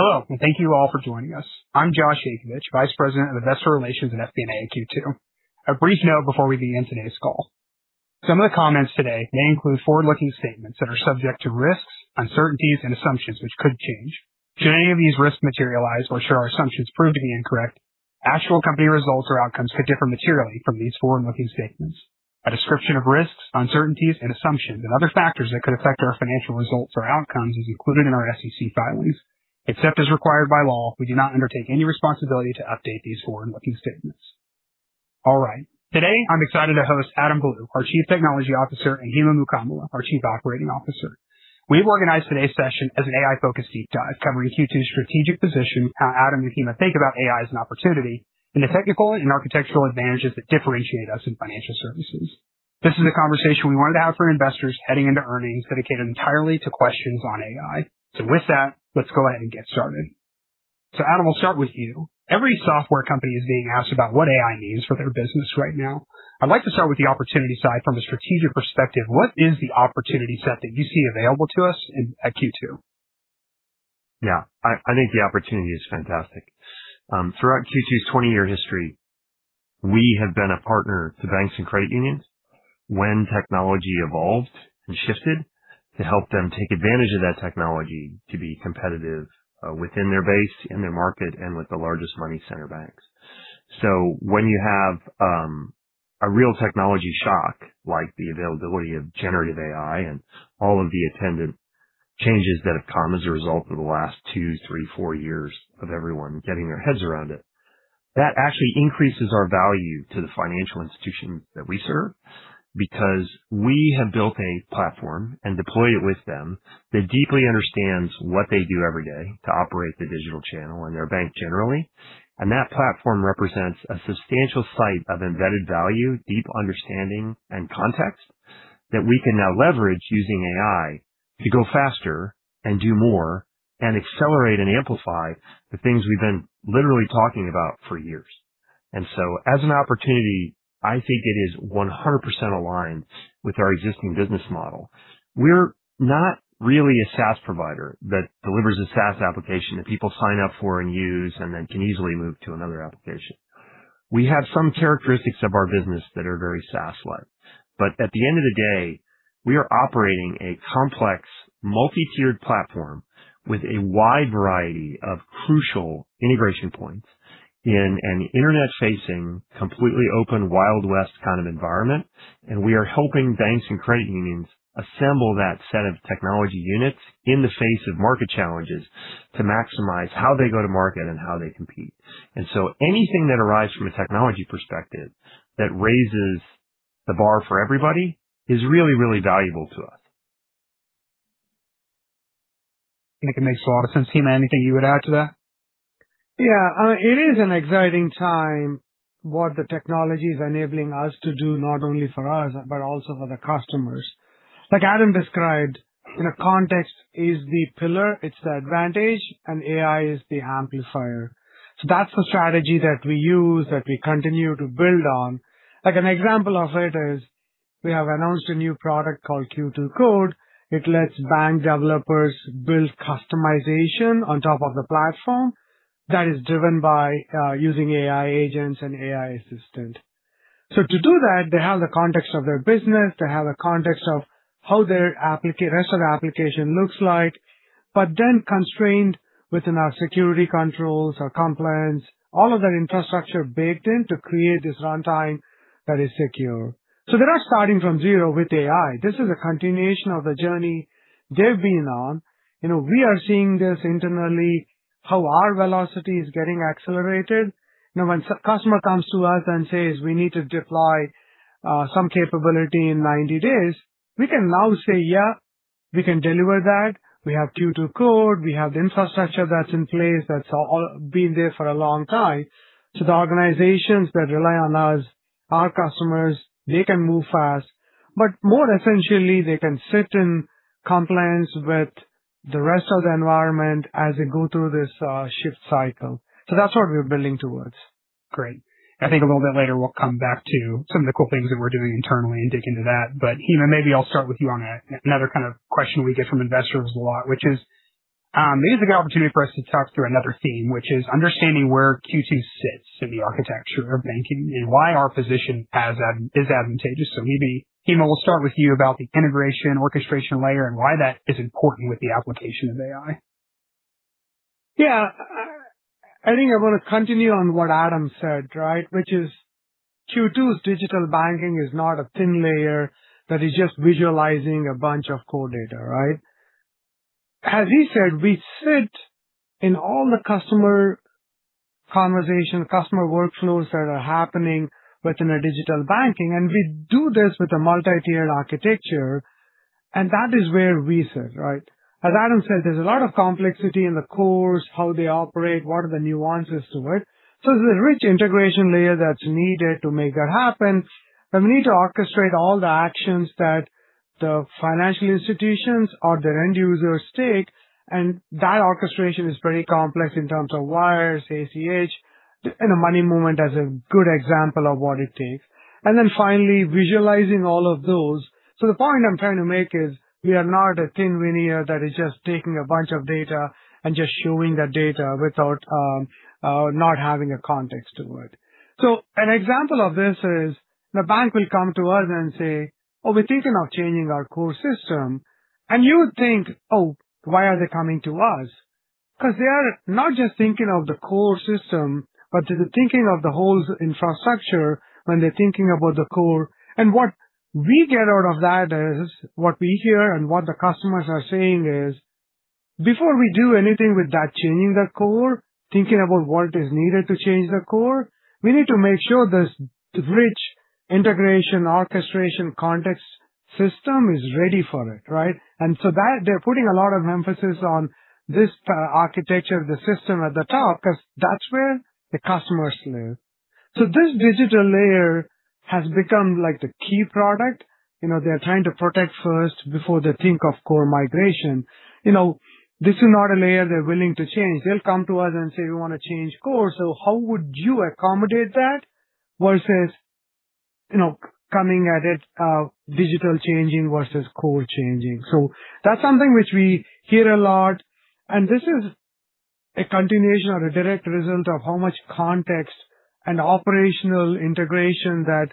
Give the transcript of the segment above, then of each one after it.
Hello, thank you all for joining us. I'm Josh Yankovich, Vice President of Investor Relations at Q2. A brief note before we begin today's call. Some of the comments today may include forward-looking statements that are subject to risks, uncertainties and assumptions which could change. Should any of these risks materialize or should our assumptions prove to be incorrect, actual company results or outcomes could differ materially from these forward-looking statements. A description of risks, uncertainties and assumptions and other factors that could affect our financial results or outcomes is included in our SEC filings. Except as required by law, we do not undertake any responsibility to update these forward-looking statements. All right. Today, I'm excited to host Adam Blue, our Chief Technology Officer, and Himagiri Mukkamala, our Chief Operating Officer. We've organized today's session as an AI-focused deep dive covering Q2's strategic position, how Adam and Hima think about AI as an opportunity, and the technical and architectural advantages that differentiate us in financial services. This is a conversation we wanted to have for investors heading into earnings dedicated entirely to questions on AI. With that, let's go ahead and get started. Adam, we'll start with you. Every software company is being asked about what AI means for their business right now. I'd like to start with the opportunity side from a strategic perspective. What is the opportunity set that you see available to us at Q2? Yeah. I think the opportunity is fantastic. Throughout Q2's 20-year history, we have been a partner to banks and credit unions when technology evolved and shifted to help them take advantage of that technology to be competitive within their base, in their market and with the largest money center banks. When you have a real technology shock, like the availability of generative AI and all of the attendant changes that have come as a result of the last two, three, four years of everyone getting their heads around it, that actually increases our value to the financial institutions that we serve because we have built a platform and deployed it with them that deeply understands what they do every day to operate the digital channel and their bank generally. That platform represents a substantial site of embedded value, deep understanding and context that we can now leverage using AI to go faster and do more and accelerate and amplify the things we've been literally talking about for years. As an opportunity, I think it is 100% aligned with our existing business model. We're not really a SaaS provider that delivers a SaaS application that people sign up for and use and then can easily move to another application. We have some characteristics of our business that are very SaaS-like. At the end of the day, we are operating a complex multi-tiered platform with a wide variety of crucial integration points in an Internet-facing, completely open Wild West kind of environment. We are helping banks and credit unions assemble that set of technology units in the face of market challenges to maximize how they go to market and how they compete. Anything that arrives from a technology perspective that raises the bar for everybody is really, really valuable to us. I think it makes a lot of sense. Hima, anything you would add to that? Yeah. It is an exciting time what the technology is enabling us to do not only for us, but also for the customers. Like Adam described, you know, context is the pillar, it's the advantage, and AI is the amplifier. That's the strategy that we use, that we continue to build on. Like an example of it is we have announced a new product called Q2 Code. It lets bank developers build customization on top of the platform that is driven by using AI agents and AI assistant. To do that, they have the context of their business, they have the context of how their rest of the application looks like, constrained within our security controls, our compliance, all of that infrastructure baked in to create this runtime that is secure. They're not starting from zero with AI. This is a continuation of the journey they've been on. You know, we are seeing this internally, how our velocity is getting accelerated. You know, when customer comes to us and says, "We need to deploy some capability in 90 days," we can now say, "Yeah, we can deliver that." We have Q2 Code. We have the infrastructure that's in place that's all been there for a long time. The organizations that rely on us, our customers, they can move fast, but more essentially, they can sit in compliance with the rest of the environment as they go through this shift cycle. That's what we're building towards. Great. I think a little bit later we'll come back to some of the cool things that we're doing internally and dig into that. Hima, maybe I'll start with you on another kind of question we get from investors a lot, which is, maybe it's a good opportunity for us to talk through another theme, which is understanding where Q2 sits in the architecture of banking and why our position is advantageous. Maybe, Hima, we'll start with you about the integration orchestration layer and why that is important with the application of AI. Yeah. I think I'm gonna continue on what Adam said, right? Q2's digital banking is not a thin layer that is just visualizing a bunch of core data, right? As he said, we sit in all the customer conversation, customer workflows that are happening within a digital banking, and we do this with a multi-tiered architecture, and that is where we sit, right? As Adam said, there's a lot of complexity in the cores, how they operate, what are the nuances to it. There's a rich integration layer that's needed to make that happen. We need to orchestrate all the actions that the financial institutions or their end users take. That orchestration is very complex in terms of wires, ACH. In a money movement as a good example of what it takes. Finally visualizing all of those. The point I'm trying to make is we are not a thin veneer that is just taking a bunch of data and just showing that data without not having a context to it. An example of this is the bank will come to us and say, "Oh, we're thinking of changing our core system." You would think, "Oh, why are they coming to us?" Because they are not just thinking of the core system, but they're thinking of the whole infrastructure when they're thinking about the core. What we get out of that is what we hear and what the customers are saying is, before we do anything with that, changing that core, thinking about what is needed to change the core, we need to make sure this rich integration, orchestration, context system is ready for it, right? That they're putting a lot of emphasis on this architecture, the system at the top, 'cause that's where the customers live. This digital layer has become like the key product, you know, they're trying to protect first before they think of core migration. You know, this is not a layer they're willing to change. They'll come to us and say, "We wanna change course." How would you accommodate that versus, you know, coming at it, digital changing versus core changing. That's something which we hear a lot, and this is a continuation or a direct result of how much context and operational integration that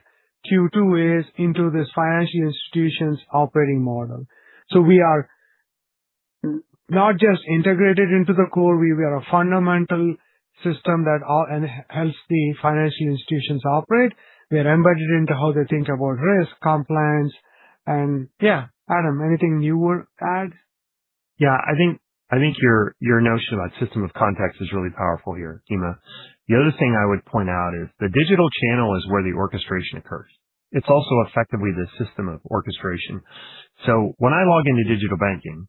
Q2 is into this financial institution's operating model. We are not just integrated into the core, we are a fundamental system that helps the financial institutions operate. We are embedded into how they think about risk, compliance, and yeah. Adam, anything you would add? Yeah. I think, I think your notion about system of context is really powerful here, Hima. The other thing I would point out is the digital channel is where the orchestration occurs. It's also effectively the system of orchestration. When I log into digital banking,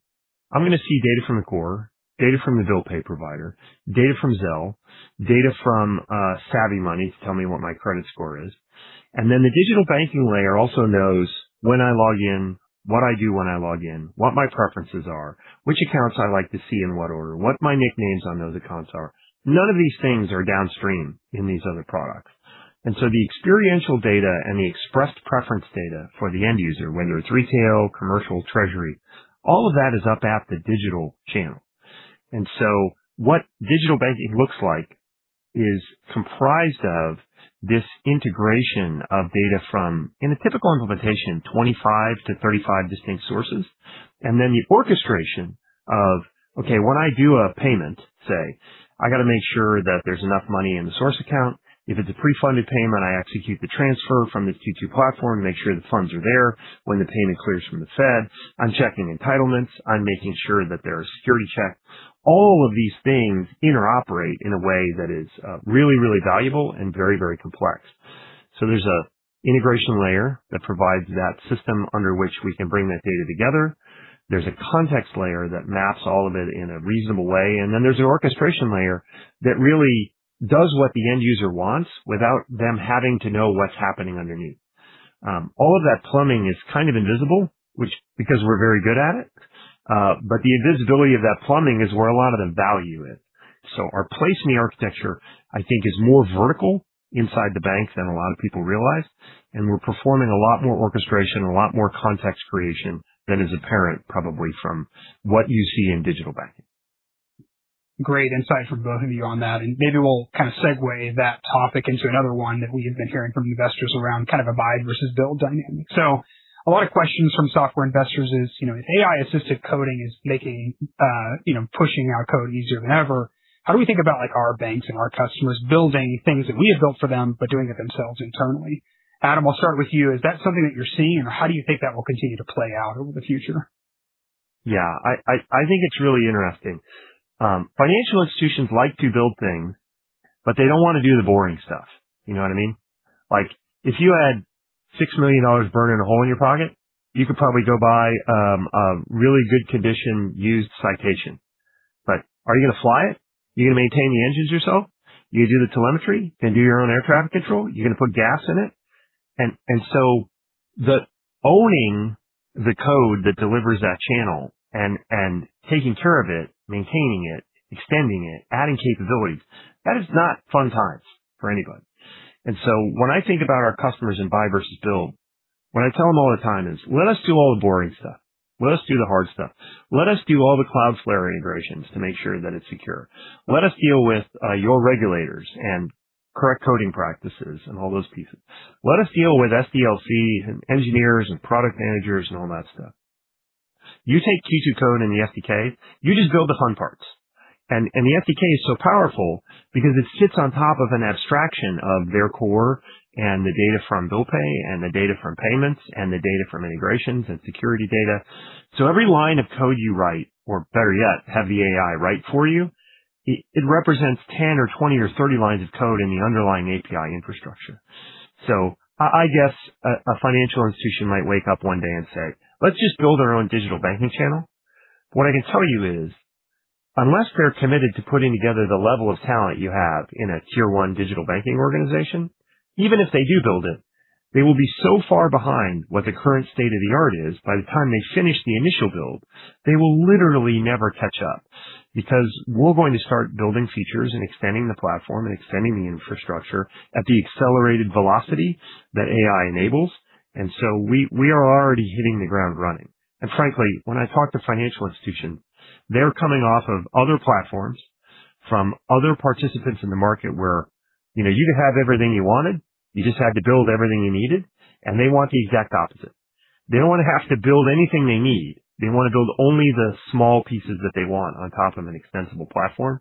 I'm gonna see data from the core, data from the bill pay provider, data from Zelle, data from SavvyMoney to tell me what my credit score is. Then the digital banking layer also knows when I log in, what I do when I log in, what my preferences are, which accounts I like to see in what order, what my nicknames on those accounts are. None of these things are downstream in these other products. The experiential data and the expressed preference data for the end user, whether it's retail, commercial, treasury, all of that is up at the digital channel. What digital banking looks like is comprised of this integration of data from, in a typical implementation, 25-35 distinct sources. Then the orchestration of, okay, when I do a payment, say, I gotta make sure that there's enough money in the source account. If it's a pre-funded payment, I execute the transfer from the Q2 platform, make sure the funds are there. When the payment clears from the Fed, I'm checking entitlements. I'm making sure that there are security checks. All of these things interoperate in a way that is really, really valuable and very, very complex. There's an integration layer that provides that system under which we can bring that data together. There's a context layer that maps all of it in a reasonable way. There's an orchestration layer that really does what the end user wants without them having to know what's happening underneath. All of that plumbing is kind of invisible, because we're very good at it. The invisibility of that plumbing is where a lot of them value it. Our place in the architecture, I think, is more vertical inside the bank than a lot of people realize, and we're performing a lot more orchestration and a lot more context creation than is apparent probably from what you see in digital banking. Great insight from both of you on that. Maybe we'll kind of segue that topic into another one that we have been hearing from investors around kind of a buy versus build dynamic. A lot of questions from software investors is, you know, if AI-assisted coding is making, you know, pushing our code easier than ever, how do we think about like our banks and our customers building things that we have built for them, but doing it themselves internally? Adam, I'll start with you. Is that something that you're seeing or how do you think that will continue to play out over the future? I think it's really interesting. Financial institutions like to build things, but they don't wanna do the boring stuff. You know what I mean? Like, if you had $6 million burning a hole in your pocket, you could probably go buy a really good condition used Citation. Are you gonna fly it? You gonna maintain the engines yourself? You gonna do the telemetry and do your own air traffic control? You gonna put gas in it? The owning the code that delivers that channel and taking care of it, maintaining it, extending it, adding capabilities, that is not fun times for anybody. When I think about our customers in buy versus build, what I tell them all the time is, "Let us do all the boring stuff. Let us do the hard stuff. Let us do all the Cloudflare integrations to make sure that it's secure. Let us deal with your regulators and correct coding practices and all those pieces. Let us deal with SDLC and engineers and product managers and all that stuff. You take Q2 Code and the SDK, you just build the fun parts. The SDK is so powerful because it sits on top of an abstraction of their core and the data from bill pay and the data from payments and the data from integrations and security data. Every line of code you write, or better yet, have the AI write for you, it represents 10 or 20 or 30 lines of code in the underlying API infrastructure. I guess a financial institution might wake up one day and say, "Let's just build our own digital banking channel." What I can tell you is, unless they're committed to putting together the level of talent you have in a tier one digital banking organization, even if they do build it. They will be so far behind what the current state of the art is by the time they finish the initial build. They will literally never catch up because we're going to start building features and extending the platform and extending the infrastructure at the accelerated velocity that AI enables. We are already hitting the ground running. Frankly, when I talk to financial institutions, they're coming off of other platforms from other participants in the market where, you know, you have everything you wanted, you just had to build everything you needed, and they want the exact opposite. They don't want to have to build anything they need. They want to build only the small pieces that they want on top of an extensible platform.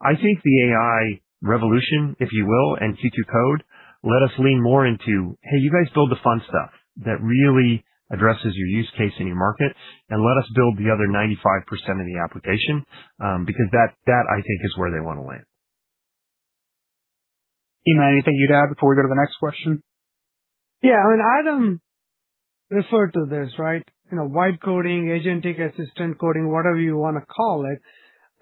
I think the AI revolution, if you will, and Q2 Code let us lean more into, hey, you guys build the fun stuff that really addresses your use case in your market and let us build the other 95% of the application, because that I think is where they want to land. Hima, anything you'd add before we go to the next question? Yeah, I mean, Adam referred to this, right? You know, live coding, agentic assistant coding, whatever you want to call it.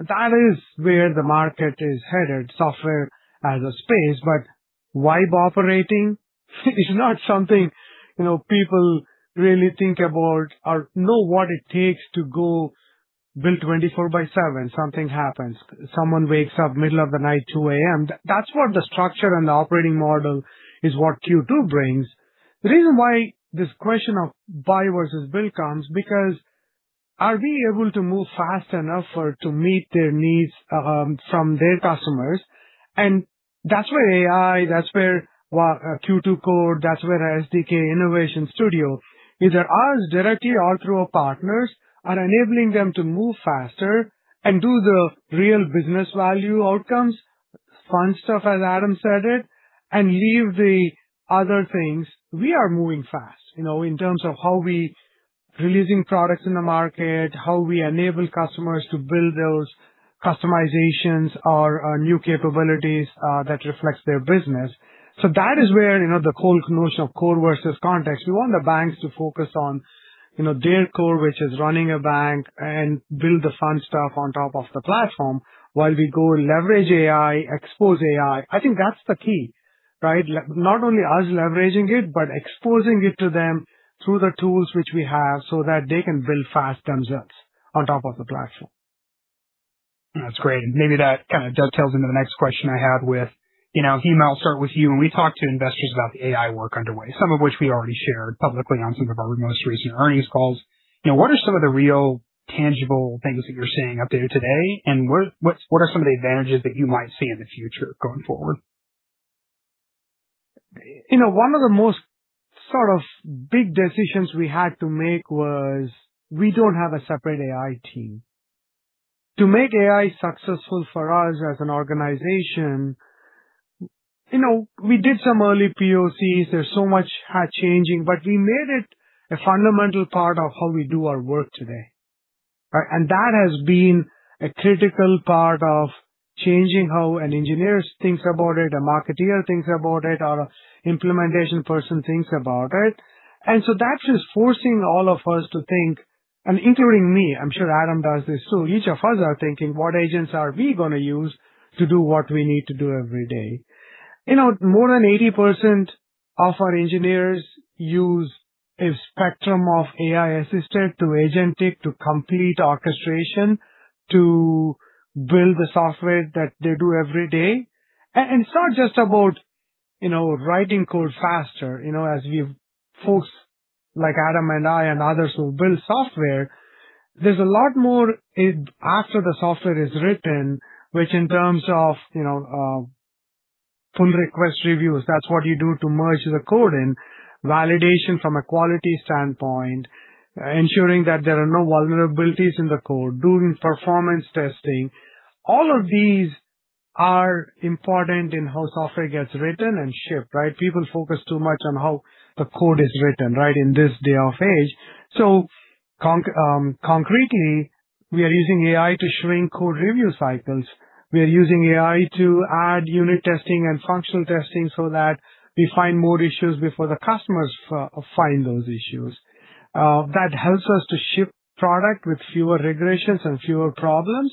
That is where the market is headed, software as a service. Live operating is not something, you know, people really think about or know what it takes to go build 24/7. Something happens, someone wakes up middle of the night, 2:00 A.M. That's where the structure and the operating model is what Q2 brings. The reason why this question of buy versus build comes because are we able to move fast enough or to meet their needs, from their customers? That's where AI, that's where Q2 Code, that's where Q2 Innovation Studio, either us directly or through our partners, are enabling them to move faster and do the real business value outcomes, fun stuff, as Adam said it, and leave the other things. We are moving fast, you know, in terms of how we releasing products in the market, how we enable customers to build those customizations or new capabilities that reflects their business. That is where, you know, the whole notion of code versus context. We want the banks to focus on, you know, their core, which is running a bank and build the fun stuff on top of the platform while we go leverage AI, expose AI. I think that's the key, right. Not only us leveraging it, but exposing it to them through the tools which we have so that they can build fast themselves on top of the platform. That's great. Maybe that kind of dovetails into the next question I had with, you know, Hima, I'll start with you. When we talk to investors about the AI work underway, some of which we already shared publicly on some of our most recent earnings calls. You know, what are some of the real tangible things that you're seeing up there today and what are some of the advantages that you might see in the future going forward? You know, one of the most sort of big decisions we had to make was we don't have a separate AI team. To make AI successful for us as an organization, you know, we did some early POCs. There's so much had changing, but we made it a fundamental part of how we do our work today, right? That has been a critical part of changing how an engineer thinks about it, a marketeer thinks about it, or implementation person thinks about it. That's just forcing all of us to think, and including me, I'm sure Adam does this too. Each of us are thinking, what agents are we going to use to do what we need to do every day? You know, more than 80% of our engineers use a spectrum of AI assistant to agentic to complete orchestration to build the software that they do every day. It's not just about, you know, writing code faster. You know, as we, folks like Adam and I and others who build software, there's a lot more after the software is written, which in terms of, you know, pull request reviews, that's what you do to merge the code in. Validation from a quality standpoint, ensuring that there are no vulnerabilities in the code, doing performance testing. All of these are important in how software gets written and shipped, right? People focus too much on how the code is written, right? In this day and age. Concretely, we are using AI to shrink code review cycles. We are using AI to add unit testing and functional testing that we find more issues before the customers find those issues. That helps us to ship product with fewer regressions and fewer problems.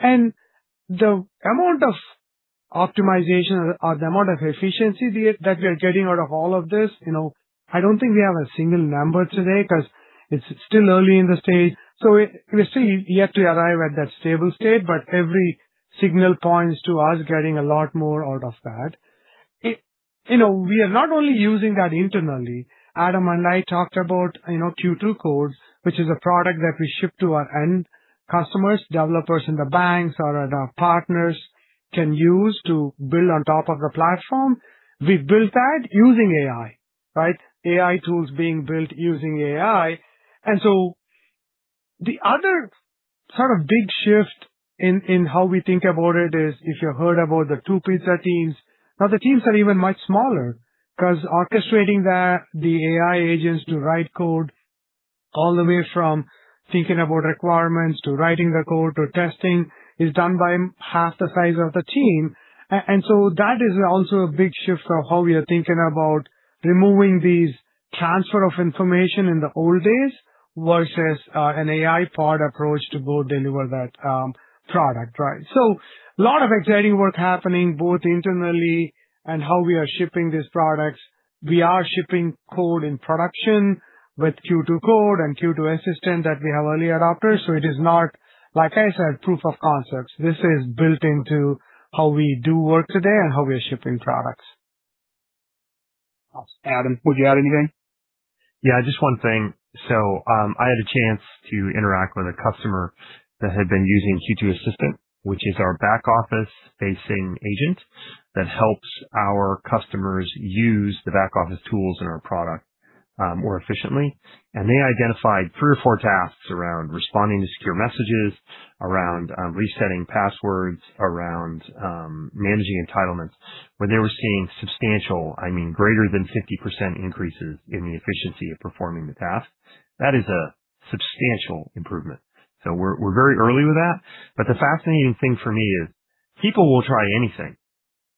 The amount of optimization or the amount of efficiency that we are getting out of all of this, you know, I don't think we have a single number today because it's still early in the stage, we're still yet to arrive at that stable state. Every signal points to us getting a lot more out of that. You know, we are not only using that internally. Adam and I talked about, you know, Q2 Code, which is a product that we ship to our end customers, developers in the banks or that our partners can use to build on top of the platform. We've built that using AI, right? AI tools being built using AI. The other sort of big shift in how we think about it is if you heard about the two pizza teams. Now the teams are even much smaller because orchestrating the AI agents to write code all the way from thinking about requirements to writing the code to testing is done by half the size of the team. That is also a big shift of how we are thinking about removing transfer of information in the old days versus an AI-powered approach to go deliver that product. A lot of exciting work happening both internally and how we are shipping these products. We are shipping code in production with Q2 Code and Q2 Assistant that we have early adopters. It is not, like I said, proof of concepts. This is built into how we do work today and how we are shipping products. Awesome. Adam, would you add anything? Yeah, just one thing. I had a chance to interact with a customer that had been using Q2 Assistant, which is our back-office-facing agent that helps our customers use the back-office tools in our product more efficiently. They identified three or four tasks around responding to secure messages, around resetting passwords, around managing entitlements where they were seeing substantial, I mean, greater than 50% increases in the efficiency of performing the task. That is a substantial improvement. We're very early with that. The fascinating thing for me is people will try anything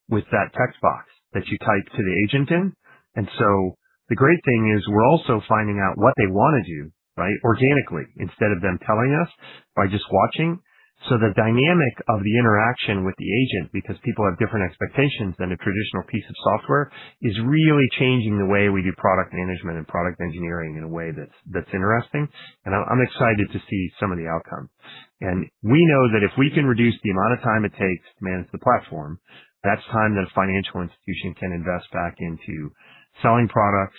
with that text box that you type to the agent in. The great thing is we're also finding out what they wanna do, right, organically, instead of them telling us by just watching. The dynamic of the interaction with the agent, because people have different expectations than a traditional piece of software, is really changing the way we do product management and product engineering in a way that's interesting. I'm excited to see some of the outcome. We know that if we can reduce the amount of time it takes to manage the platform, that's time that a financial institution can invest back into selling products,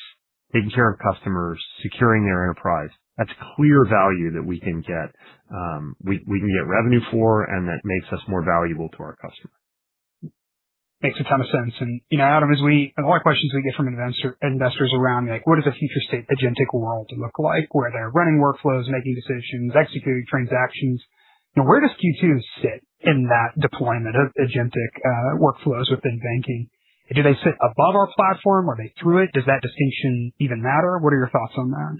taking care of customers, securing their enterprise. That's clear value that we can get, we can get revenue for, and that makes us more valuable to our customer. Makes a ton of sense. You know, Adam, a lot of questions we get from investors around like, what does a future state agentic world look like where they're running workflows, making decisions, executing transactions? You know, where does Q2 sit in that deployment of agentic workflows within banking? Do they sit above our platform? Are they through it? Does that distinction even matter? What are your thoughts on that?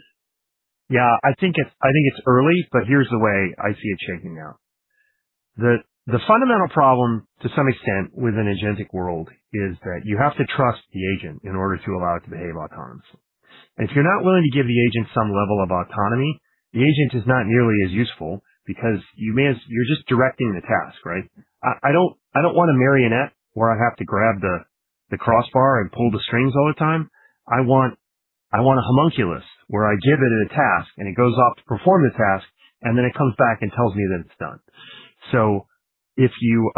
Yeah, I think it's early. Here's the way I see it shaping out. The fundamental problem to some extent with an agentic world is that you have to trust the agent in order to allow it to behave autonomously. If you're not willing to give the agent some level of autonomy, the agent is not nearly as useful because you're just directing the task, right? I don't want a marionette where I have to grab the crossbar and pull the strings all the time. I want a homunculus where I give it a task and it goes off to perform the task, and then it comes back and tells me that it's done. If you,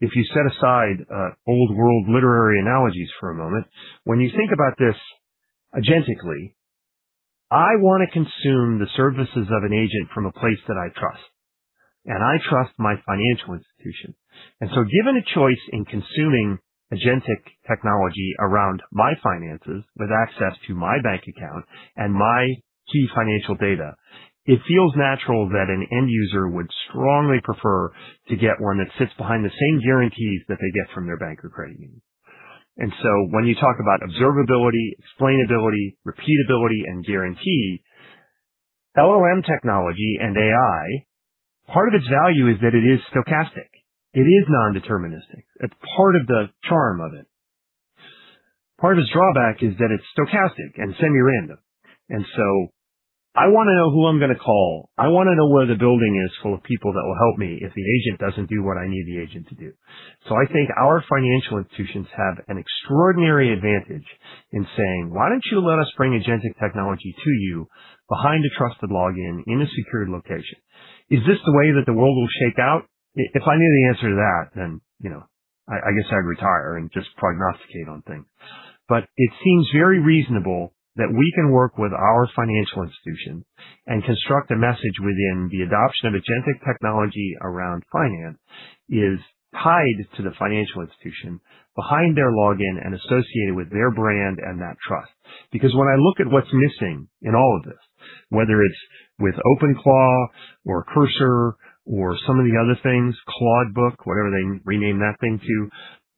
if you set aside old world literary analogies for a moment, when you think about this agentically, I wanna consume the services of an agent from a place that I trust, and I trust my financial institution. Given a choice in consuming agentic technology around my finances with access to my bank account and my key financial data, it feels natural that an end user would strongly prefer to get one that sits behind the same guarantees that they get from their bank or credit union. When you talk about observability, explainability, repeatability and guarantee, LLM technology and AI, part of its value is that it is stochastic. It is non-deterministic. It's part of the charm of it. Part of its drawback is that it's stochastic and semi-random. I wanna know who I'm gonna call. I wanna know where the building is full of people that will help me if the agent doesn't do what I need the agent to do. I think our financial institutions have an extraordinary advantage in saying, "Why don't you let us bring agentic technology to you behind a trusted login in a secured location?" Is this the way that the world will shake out? If I knew the answer to that, then, you know, I guess I'd retire and just prognosticate on things. It seems very reasonable that we can work with our financial institution and construct a message within the adoption of agentic technology around finance is tied to the financial institution behind their login and associated with their brand and that trust. When I look at what's missing in all of this, whether it's with OpenAI or Cursor or some of the other things, Claude Code, whatever they rename that thing to,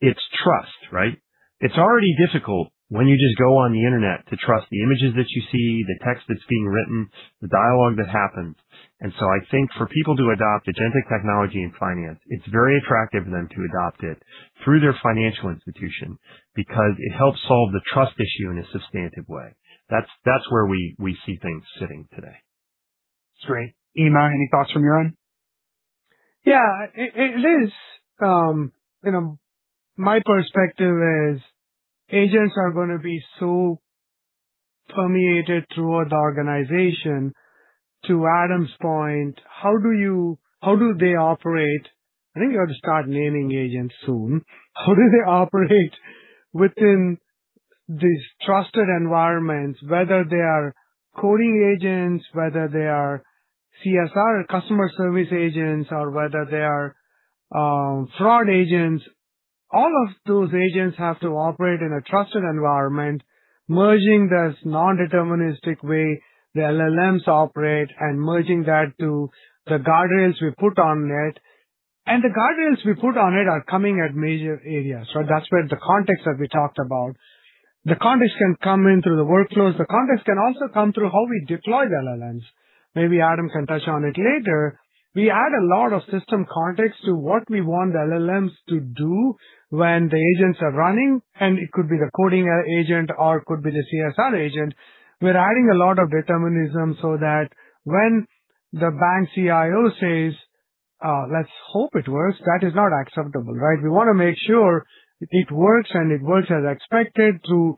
it's trust, right? It's already difficult when you just go on the Internet to trust the images that you see, the text that's being written, the dialogue that happens. I think for people to adopt agentic technology in finance, it's very attractive for them to adopt it through their financial institution because it helps solve the trust issue in a substantive way. That's where we see things sitting today. That's great. Hima, any thoughts from your end? It, it is, you know, my perspective is agents are gonna be so permeated throughout the organization. To Adam's point, how do they operate? I think we ought to start naming agents soon. How do they operate within these trusted environments, whether they are coding agents, whether they are CSR, customer service agents, or whether they are fraud agents? All of those agents have to operate in a trusted environment, merging this non-deterministic way the LLMs operate and merging that to the guardrails we put on it. The guardrails we put on it are coming at major areas. That's where the context that we talked about. The context can come in through the workflows. The context can also come through how we deploy the LLMs. Maybe Adam can touch on it later. We add a lot of system context to what we want the LLMs to do when the agents are running, and it could be the coding agent or it could be the CSR agent. We're adding a lot of determinism so that when the bank CIO says, "Let's hope it works," that is not acceptable, right? We wanna make sure it works, and it works as expected through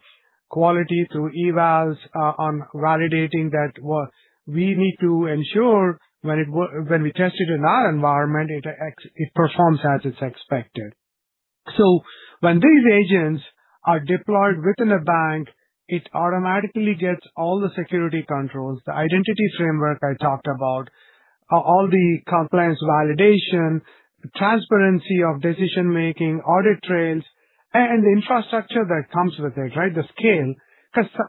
quality, through evals, on validating that, well, we need to ensure when we test it in our environment, it performs as it's expected. When these agents are deployed within a bank, it automatically gets all the security controls, the identity framework I talked about, all the compliance validation, transparency of decision-making, audit trails, and the infrastructure that comes with it, right? The scale.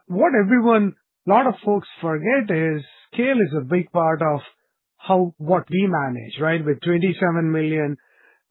What everyone lot of folks forget is scale is a big part of how, what we manage, right? With 27 million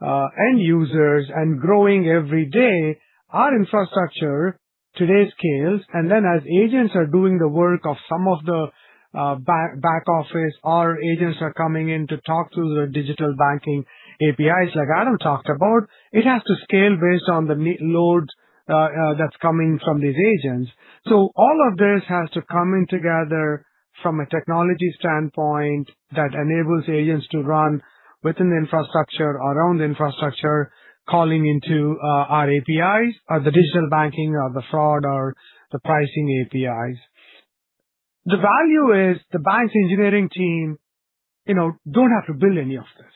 end users and growing every day, our infrastructure today scales. As agents are doing the work of some of the back office or agents are coming in to talk to the digital banking APIs like Adam talked about, it has to scale based on the loads that's coming from these agents. All of this has to come in together from a technology standpoint that enables agents to run within the infrastructure, around the infrastructure, calling into our APIs or the digital banking or the fraud or the pricing APIs. The value is the bank's engineering team, you know, don't have to build any of this,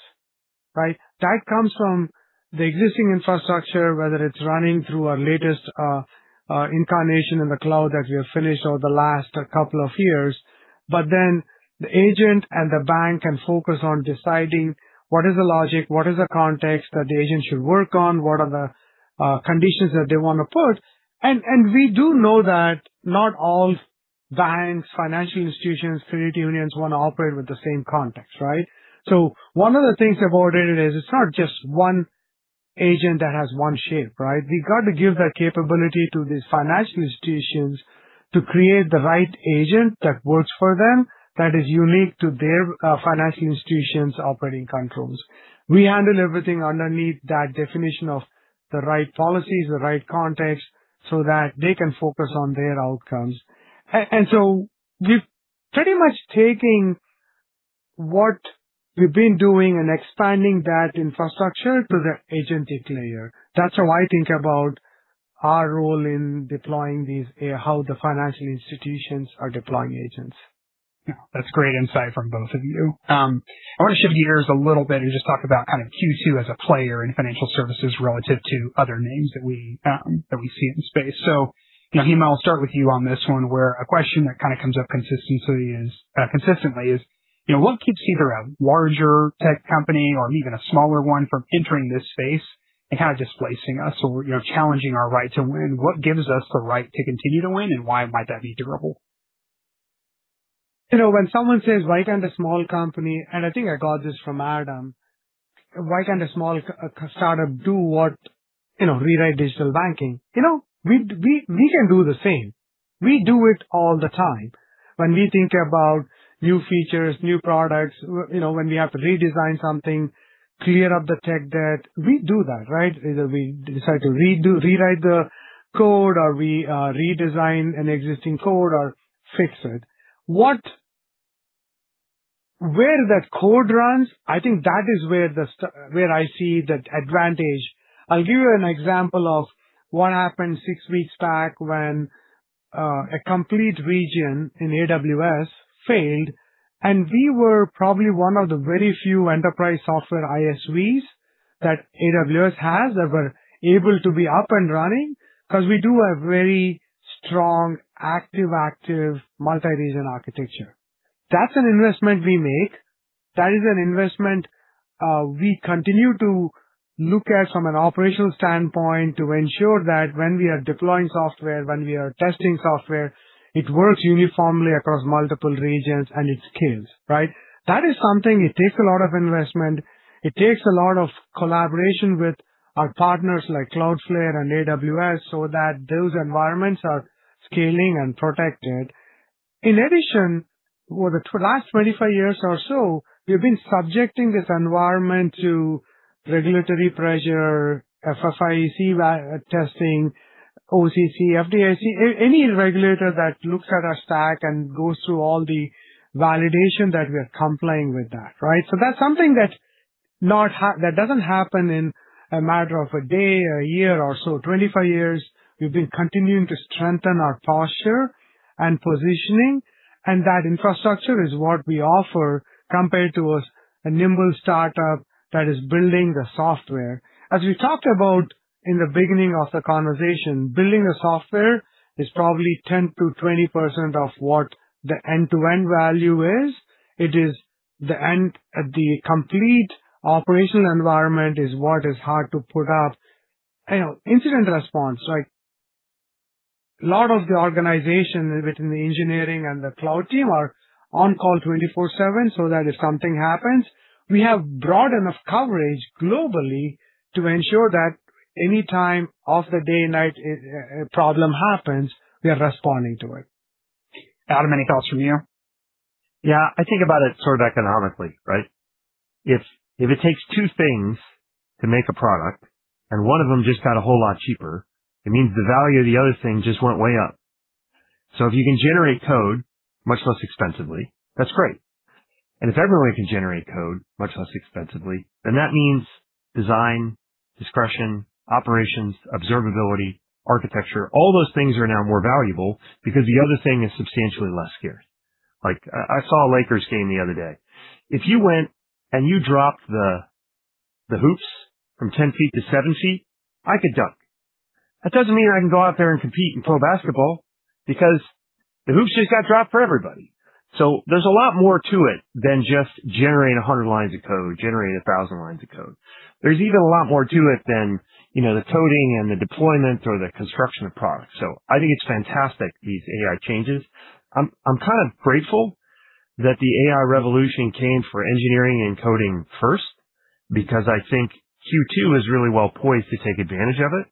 right? That comes from the existing infrastructure, whether it's running through our latest incarnation in the cloud that we have finished over the last couple of years. The agent and the bank can focus on deciding what is the logic, what is the context that the agent should work on, what are the conditions that they wanna put. We do know that not all banks, financial institutions, credit unions wanna operate with the same context, right? One of the things we've already did is it's not just one agent that has one shape, right? We got to give that capability to these financial institutions to create the right agent that works for them, that is unique to their financial institution's operating controls. We handle everything underneath that definition of the right policies, the right context, so that they can focus on their outcomes. We've pretty much taking what we've been doing and expanding that infrastructure to the agentic layer. That's how I think about our role in deploying these, how the financial institutions are deploying agents. Yeah. That's great insight from both of you. I wanna shift gears a little bit and just talk about kind of Q2 as a player in financial services relative to other names that we see in the space. You know, Hima, I'll start with you on this one, where a question that kinda comes up consistently is, you know, what keeps either a larger tech company or even a smaller one from entering this space and kinda displacing us or, you know, challenging our right to win? What gives us the right to continue to win, and why might that be durable? You know, when someone says, "Why can't a small company," and I think I got this from Adam, "Why can't a small startup do what, you know, rewrite digital banking?" You know, we can do the same. We do it all the time. When we think about new features, new products, you know, when we have to redesign something, clear up the tech debt, we do that, right? Either we decide to redo, rewrite the code, or we redesign an existing code or fix it. Where that code runs, I think that is where the where I see the advantage. I'll give you an example of what happened six weeks back when a complete region in AWS failed, and we were probably one of the very few enterprise software ISVs that AWS has that were able to be up and running 'cause we do have very strong, active multi-region architecture. That's an investment we make. That is an investment we continue to look at from an operational standpoint to ensure that when we are deploying software, when we are testing software, it works uniformly across multiple regions and it scales, right? That is something, it takes a lot of investment. It takes a lot of collaboration with our partners like Cloudflare and AWS so that those environments are scaling and protected. In addition, for the last 25 years or so, we've been subjecting this environment to regulatory pressure, FFIEC testing, OCC, FDIC, any regulator that looks at our stack and goes through all the validation that we are complying with that, right? That's something that doesn't happen in a matter of a day or a year or so. 25 years, we've been continuing to strengthen our posture and positioning, and that infrastructure is what we offer compared to a nimble startup that is building the software. As we talked about in the beginning of the conversation, building a software is probably 10%-20% of what the end-to-end value is. It is the end, the complete operational environment is what is hard to put up. You know, incident response, right? Lot of the organization within the engineering and the cloud team are on call 24/7 so that if something happens, we have broad enough coverage globally to ensure that anytime of the day and night, a problem happens, we are responding to it. Adam, any thoughts from you? Yeah. I think about it sort of economically, right? If it takes two things to make a product and one of them just got a whole lot cheaper, it means the value of the other thing just went way up. If you can generate code much less expensively, that's great. If everyone can generate code much less expensively, then that means design, discretion, operations, observability, architecture, all those things are now more valuable because the other thing is substantially less scarce. Like, I saw a Lakers game the other day. If you went and you dropped the hoops from ten feet to seven feet, I could dunk. That doesn't mean I can go out there and compete and play basketball because the hoops just got dropped for everybody. There's a lot more to it than just generate 100 lines of code, generate 1,000 lines of code. There's even a lot more to it than, you know, the coding and the deployment or the construction of product. I think it's fantastic, these AI changes. I'm kind of grateful that the AI revolution came for engineering and coding first because I think Q2 is really well poised to take advantage of it.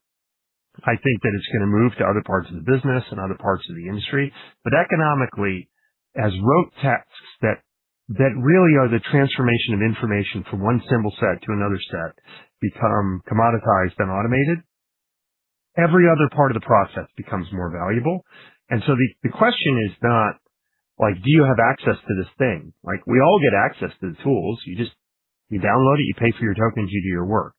I think that it's gonna move to other parts of the business and other parts of the industry. Economically, as rote tasks that really are the transformation of information from one symbol set to another set become commoditized and automated, every other part of the process becomes more valuable. The question is not like, do you have access to this thing? Like, we all get access to the tools. You just download it, you pay for your tokens, you do your work.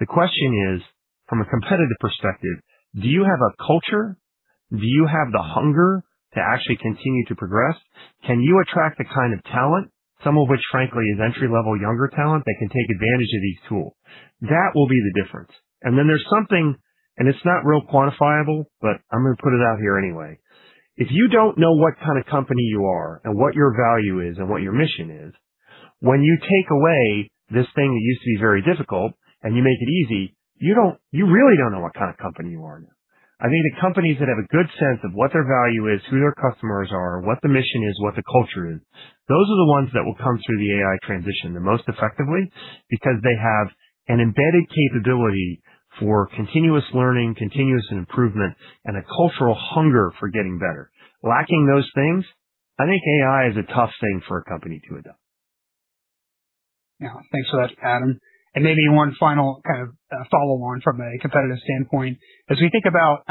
The question is, from a competitive perspective, do you have a culture? Do you have the hunger to actually continue to progress? Can you attract the kind of talent, some of which, frankly, is entry-level younger talent that can take advantage of these tools? That will be the difference. There's something, and it's not real quantifiable, but I'm gonna put it out here anyway. If you don't know what kind of company you are and what your value is and what your mission is, when you take away this thing that used to be very difficult and you make it easy, you really don't know what kind of company you are now. I think the companies that have a good sense of what their value is, who their customers are, what the mission is, what the culture is, those are the ones that will come through the AI transition the most effectively because they have an embedded capability for continuous learning, continuous improvement, and a cultural hunger for getting better. Lacking those things, I think AI is a tough thing for a company to adopt. Yeah. Thanks for that, Adam. Maybe one final kind of follow on from a competitive standpoint. As we think about,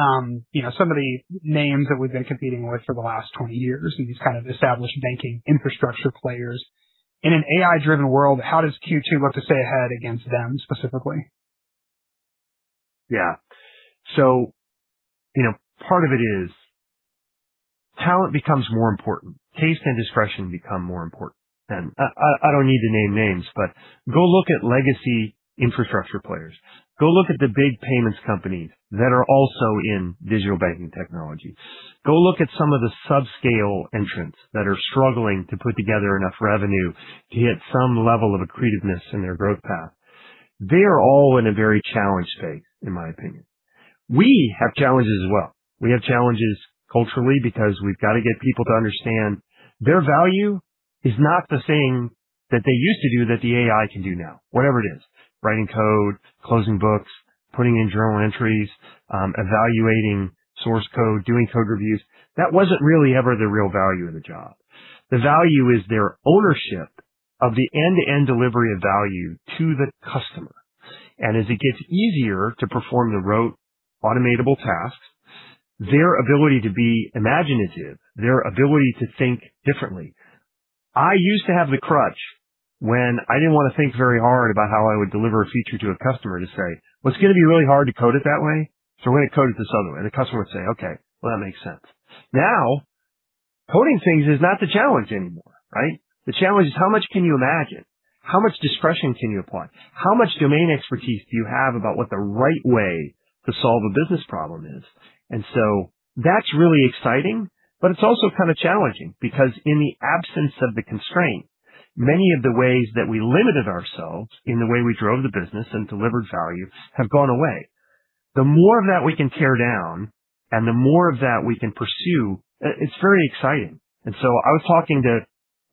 you know, some of the names that we've been competing with for the last 20 years and these kind of established banking infrastructure players. In an AI-driven world, how does Q2 look to stay ahead against them specifically? You know, part of it is talent becomes more important. Taste and discretion become more important. I don't need to name names, go look at legacy infrastructure players. Go look at the big payments companies that are also in digital banking technology. Go look at some of the subscale entrants that are struggling to put together enough revenue to hit some level of accretiveness in their growth path. They are all in a very challenged state, in my opinion. We have challenges as well. We have challenges culturally because we've got to get people to understand their value is not the thing that they used to do that the AI can do now, whatever it is, writing code, closing books, putting in journal entries, evaluating source code, doing code reviews. That wasn't really ever the real value of the job. The value is their ownership of the end-to-end delivery of value to the customer. As it gets easier to perform the rote automatable tasks, their ability to be imaginative, their ability to think differently. I used to have the crutch when I didn't want to think very hard about how I would deliver a feature to a customer to say, "Well, it's gonna be really hard to code it that way, so we're gonna code it this other way." The customer would say, "Okay, well, that makes sense." Now, coding things is not the challenge anymore, right? The challenge is how much can you imagine? How much discretion can you apply? How much domain expertise do you have about what the right way to solve a business problem is? That's really exciting, but it's also kind of challenging because in the absence of the constraint, many of the ways that we limited ourselves in the way we drove the business and delivered value have gone away. The more of that we can tear down and the more of that we can pursue, it's very exciting. I was talking to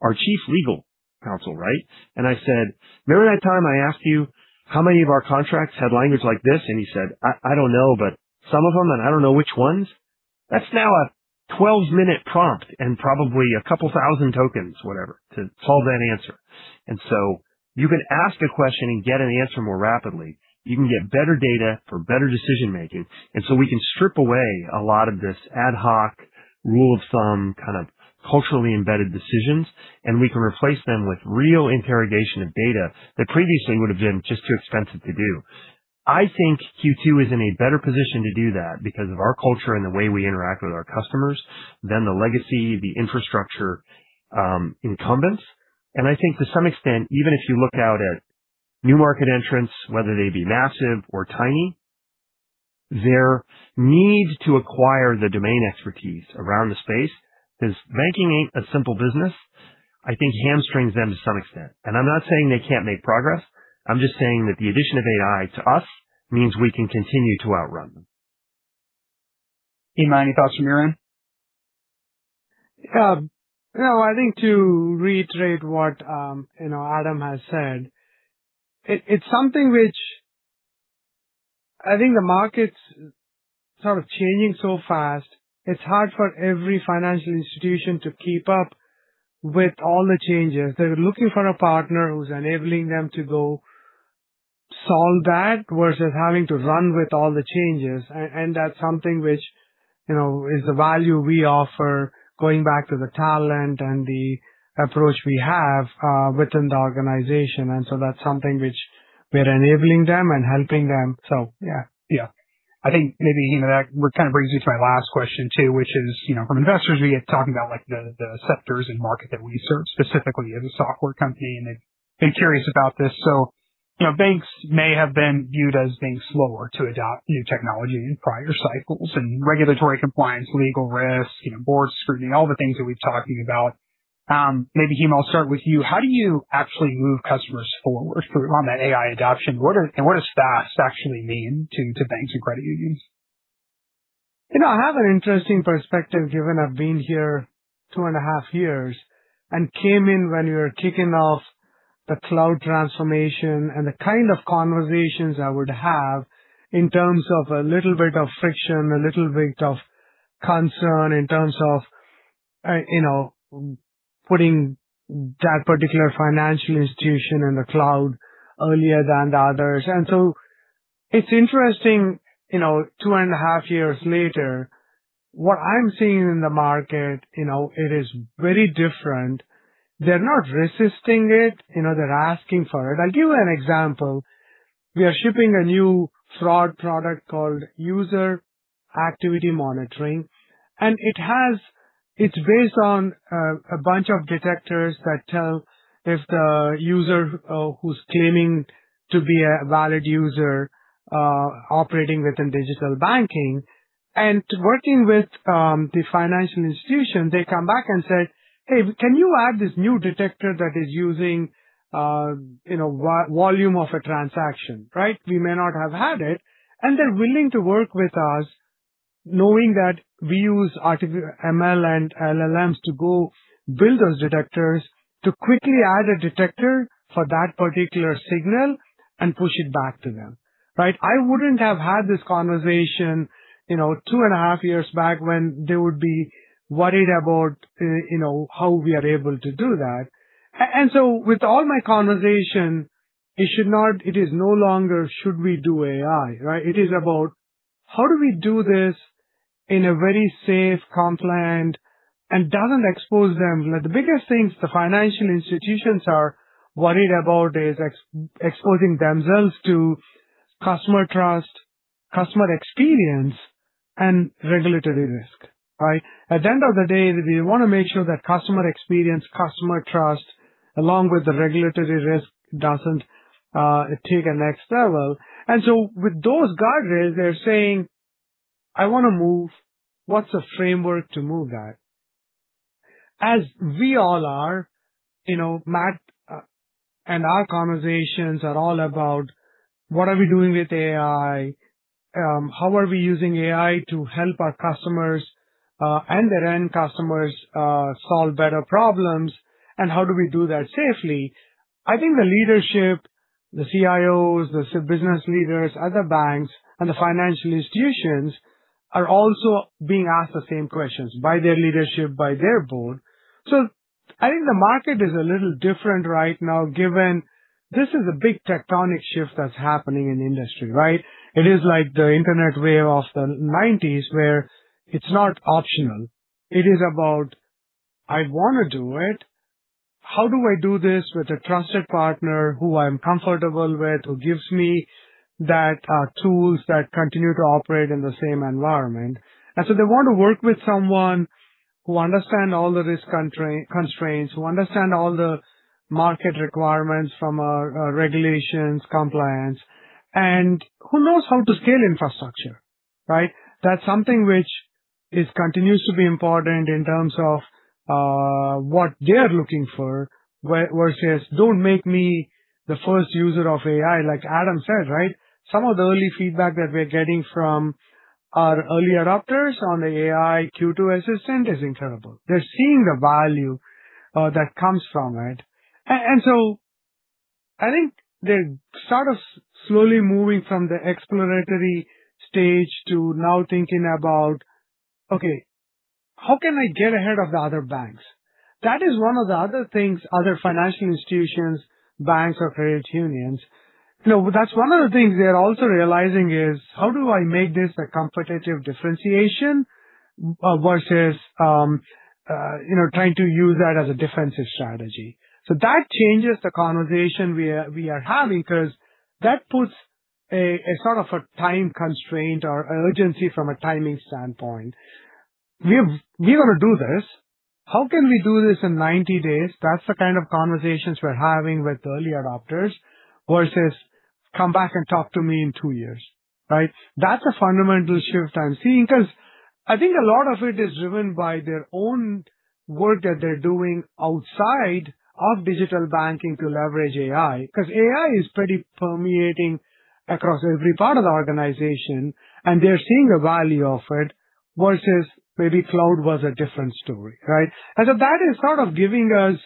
our Chief Legal Counsel, right? I said, "Remember that time I asked you how many of our contracts had language like this?" He said, "I don't know, but some of them, and I don't know which ones." That's now a 12-minute prompt and probably a couple 1,000 tokens, whatever, to solve that answer. You can ask a question and get an answer more rapidly. You can get better data for better decision-making. We can strip away a lot of this ad hoc rule of thumb kind of culturally embedded decisions, and we can replace them with real interrogation of data that previously would have been just too expensive to do. I think Q2 is in a better position to do that because of our culture and the way we interact with our customers than the legacy, the infrastructure, incumbents. I think to some extent, even if you look out at new market entrants, whether they be massive or tiny, their need to acquire the domain expertise around the space, 'cause banking ain't a simple business, I think hamstrings them to some extent. I'm not saying they can't make progress. I'm just saying that the addition of AI to us means we can continue to outrun them. Himagiri Mukkamala, any thoughts from your end? You know, I think to reiterate what, you know, Adam has said, it's something which I think the market's sort of changing so fast, it's hard for every financial institution to keep up with all the changes. They're looking for a partner who's enabling them to go solve that versus having to run with all the changes. That's something which, you know, is the value we offer going back to the talent and the approach we have within the organization. That's something which we are enabling them and helping them. Yeah. Yeah. I think maybe, Hima, that kind of brings me to my last question too, which is, you know, from investors, we are talking about like the sectors and market that we serve specifically as a software company. They've been curious about this. You know, banks may have been viewed as being slower to adopt new technology in prior cycles and regulatory compliance, legal risk, you know, board scrutiny, all the things that we've talking about. Maybe, Hima, I'll start with you. How do you actually move customers forward on the AI adoption? What are and what does fast actually mean to banks and credit unions? You know, I have an interesting perspective given I've been here two and a half years and came in when we were kicking off the cloud transformation and the kind of conversations I would have in terms of a little bit of friction, a little bit of concern in terms of, you know, putting that particular financial institution in the cloud earlier than the others. It's interesting, you know, two and a half years later, what I'm seeing in the market, you know, it is very different. They're not resisting it, you know, they're asking for it. I'll give you an example. We are shipping a new fraud product called User Activity Monitoring, and it's based on a bunch of detectors that tell if the user who's claiming to be a valid user operating within digital banking. Working with the financial institution, they come back and said, "Hey, can you add this new detector that is using, you know, volume of a transaction?" We may not have had it, and they're willing to work with us knowing that we use ML and LLMs to go build those detectors to quickly add a detector for that particular signal and push it back to them. I wouldn't have had this conversation, you know, two and a half years back when they would be worried about, you know, how we are able to do that. With all my conversation, it is no longer should we do AI. It is about how do we do this in a very safe, compliant, and doesn't expose them. The biggest things the financial institutions are worried about is exposing themselves to customer trust, customer experience, and regulatory risk, right? At the end of the day, we wanna make sure that customer experience, customer trust, along with the regulatory risk doesn't take a next level. With those guardrails, they're saying, "I wanna move. What's the framework to move that?" As we all are, you know, Matt, and our conversations are all about what are we doing with AI, how are we using AI to help our customers, and their end customers, solve better problems, and how do we do that safely? I think the leadership, the CIOs, the business leaders, other banks and the financial institutions are also being asked the same questions by their leadership, by their board. I think the market is a little different right now, given this is a big tectonic shift that's happening in industry, right? It is like the Internet wave of the 1990s where it's not optional. It is about, I wanna do it. How do I do this with a trusted partner who I'm comfortable with, who gives me that, tools that continue to operate in the same environment? They want to work with someone who understand all the risk constraints, who understand all the market requirements from a regulations compliance, and who knows how to scale infrastructure, right? That's something which is continues to be important in terms of what they are looking for, versus don't make me the first user of AI, like Adam said, right? Some of the early feedback that we're getting from our early adopters on the AI Q2 Assistant is incredible. They're seeing the value that comes from it. I think they're sort of slowly moving from the exploratory stage to now thinking about, "Okay, how can I get ahead of the other banks?" That is one of the other things other financial institutions, banks or credit unions. You know, that's one of the things they are also realizing is how do I make this a competitive differentiation versus, you know, trying to use that as a defensive strategy. That changes the conversation we are having because that puts a sort of a time constraint or urgency from a timing standpoint. We wanna do this. How can we do this in 90 days? That's the kind of conversations we're having with early adopters versus come back and talk to me in two years, right? That's a fundamental shift I'm seeing because I think a lot of it is driven by their own work that they're doing outside of digital banking to leverage AI, 'cause AI is pretty permeating across every part of the organization, and they're seeing the value of it versus maybe cloud was a different story, right? That is sort of giving us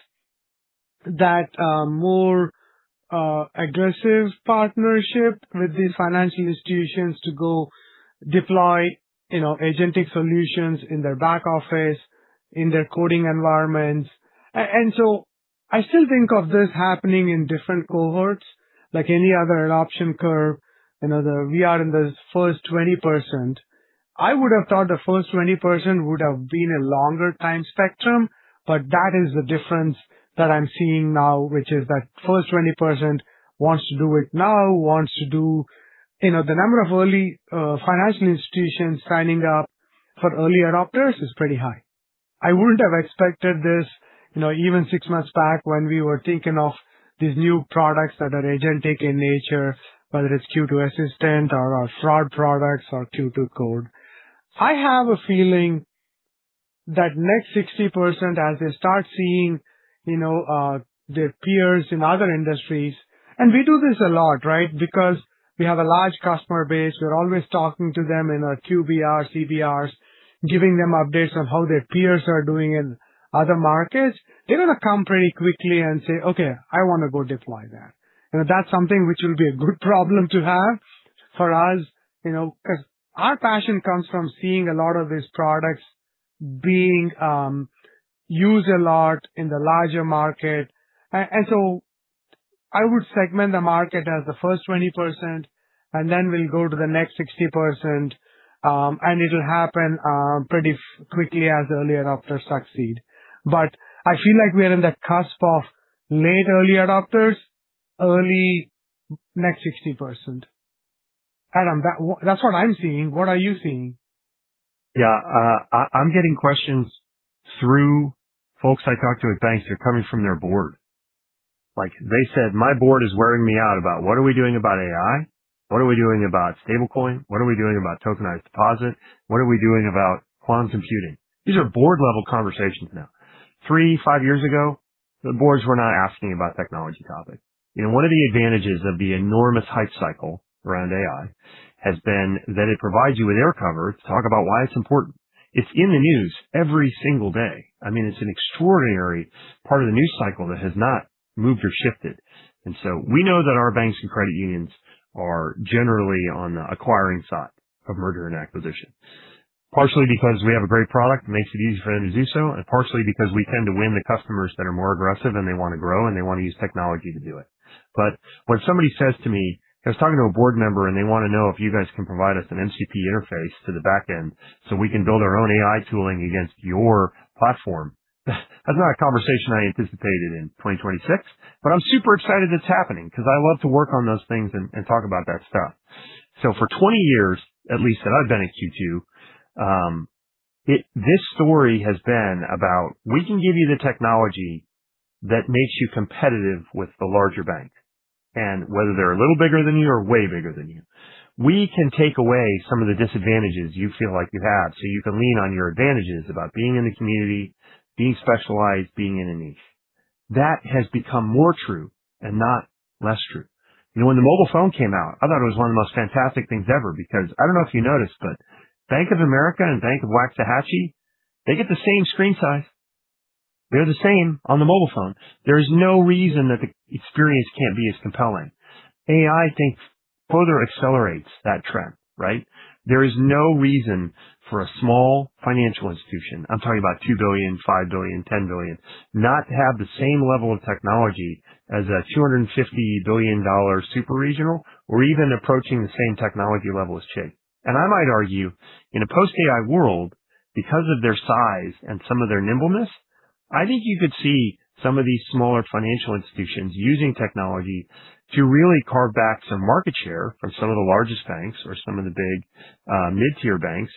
more aggressive partnership with these financial institutions to go deploy, you know, agentic solutions in their back office, in their coding environments. I still think of this happening in different cohorts like any other adoption curve. You know, we are in the first 20%. I would have thought the first 20% would have been a longer time spectrum, but that is the difference that I'm seeing now, which is that first 20% wants to do it now, wants to do You know, the number of early, financial institutions signing up for early adopters is pretty high. I wouldn't have expected this, you know, even six months back when we were thinking of these new products that are agentic in nature, whether it's Q2 Assistant or our fraud products or Q2 Code. I have a feeling that next 60%, as they start seeing, you know, their peers in other industries, and we do this a lot, right? Because we have a large customer base, we're always talking to them in our QBR, CBRs, giving them updates on how their peers are doing in other markets. They're gonna come pretty quickly and say, "Okay, I wanna go deploy that." You know, that's something which will be a good problem to have for us, you know, 'cause our passion comes from seeing a lot of these products being used a lot in the larger market. I would segment the market as the first 20% and then we'll go to the next 60%, and it'll happen pretty quickly as early adopters succeed. I feel like we are in the cusp of late early adopters, early next 60%. Adam, that's what I'm seeing. What are you seeing? Yeah. I'm getting questions through folks I talk to at banks who are coming from their board. Like they said, "My board is wearing me out about what are we doing about AI? What are we doing about stablecoin? What are we doing about tokenized deposit? What are we doing about quantum computing?" These are board-level conversations now. Three, five years ago, the boards were not asking about technology topics. You know, one of the advantages of the enormous hype cycle around AI has been that it provides you with air cover to talk about why it's important. It's in the news every single day. I mean, it's an extraordinary part of the news cycle that has not moved or shifted. We know that our banks and credit unions are generally on the acquiring side of merger and acquisition. Partially because we have a great product that makes it easy for them to do so, and partially because we tend to win the customers that are more aggressive, and they wanna grow, and they wanna use technology to do it. When somebody says to me, "I was talking to a board member, and they wanna know if you guys can provide us an MCP interface to the back end, so we can build our own AI tooling against your platform," that's not a conversation I anticipated in 2026, but I'm super excited it's happening because I love to work on those things and talk about that stuff. For 20 years, at least that I've been at Q2, this story has been about we can give you the technology that makes you competitive with the larger banks. Whether they're a little bigger than you or way bigger than you, we can take away some of the disadvantages you feel like you have, so you can lean on your advantages about being in the community, being specialized, being in a niche. That has become more true and not less true. You know, when the mobile phone came out, I thought it was one of the most fantastic things ever because I don't know if you noticed, but Bank of America and Bank of Waxahachie, they get the same screen size. They are the same on the mobile phone. There is no reason that the experience can't be as compelling. AI, I think, further accelerates that trend, right? There is no reason for a small financial institution, I'm talking about $2 billion, $5 billion, $10 billion, not have the same level of technology as a $250 billion super regional or even approaching the same technology level as Chase. I might argue, in a post-AI world, because of their size and some of their nimbleness, I think you could see some of these smaller financial institutions using technology to really carve back some market share from some of the largest banks or some of the big mid-tier banks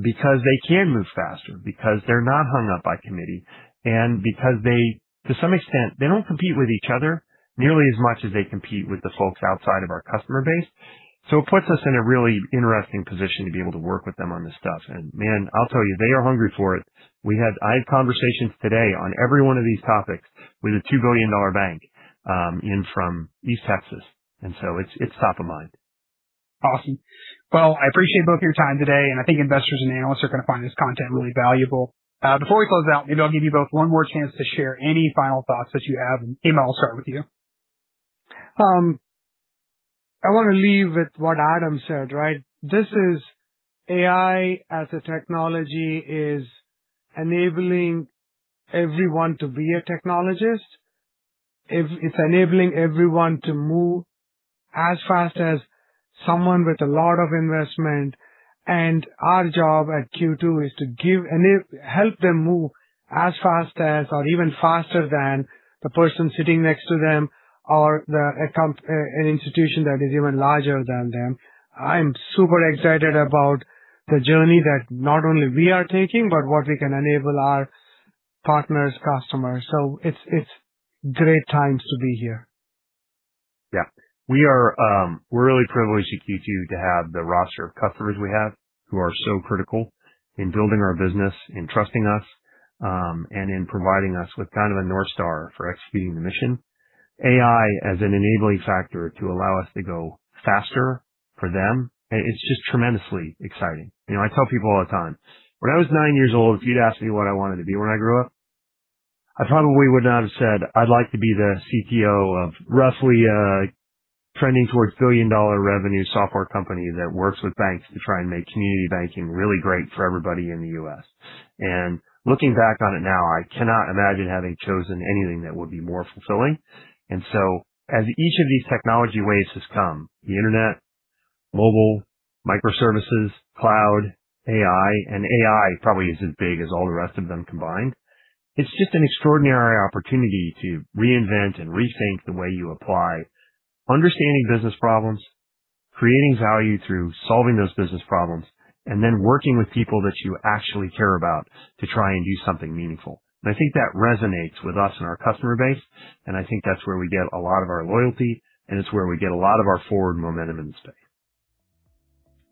because they can move faster, because they're not hung up by committee, and because they, to some extent, they don't compete with each other nearly as much as they compete with the folks outside of our customer base. It puts us in a really interesting position to be able to work with them on this stuff. Man, I'll tell you, they are hungry for it. I had conversations today on every one of these topics with a $2 billion bank, in from East Texas. It's, it's top of mind. Awesome. Well, I appreciate both your time today, I think investors and analysts are gonna find this content really valuable. Before we close out, maybe I'll give you both 1 more chance to share any final thoughts that you have. Hima, I'll start with you. I wanna leave with what Adam said, right? This is AI as a technology is enabling everyone to be a technologist. It's enabling everyone to move as fast as someone with a lot of investment. Our job at Q2 is to help them move as fast as or even faster than the person sitting next to them or an institution that is even larger than them. I am super excited about the journey that not only we are taking, but what we can enable our partners, customers. It's great times to be here. Yeah. We are, we're really privileged at Q2 to have the roster of customers we have who are so critical in building our business, in trusting us, and in providing us with kind of a North Star for executing the mission. AI as an enabling factor to allow us to go faster for them, it's just tremendously exciting. You know, I tell people all the time, when I was nine years old, if you'd asked me what I wanted to be when I grew up, I probably would not have said, "I'd like to be the CTO of roughly, trending towards billion-dollar revenue software company that works with banks to try and make community banking really great for everybody in the U.S." Looking back on it now, I cannot imagine having chosen anything that would be more fulfilling. As each of these technology waves has come, the Internet, mobile, microservices, cloud, AI, and AI probably isn't big as all the rest of them combined. It's just an extraordinary opportunity to reinvent and rethink the way you apply understanding business problems, creating value through solving those business problems, and then working with people that you actually care about to try and do something meaningful. I think that resonates with us and our customer base, and I think that's where we get a lot of our loyalty, and it's where we get a lot of our forward momentum in this space.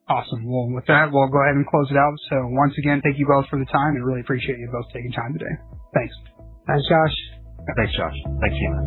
Awesome. Well, with that, we'll go ahead and close it out. Once again, thank you both for the time and really appreciate you both taking time today. Thanks. Thanks, Josh. Thanks, Josh. Thanks, Hima.